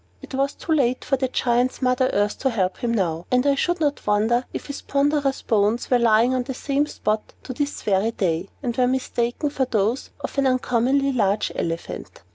It was too late for the Giant's Mother Earth to help him now; and I should not wonder if his ponderous bones were lying on the same spot to this very day, and were mistaken for those of an uncommonly large elephant.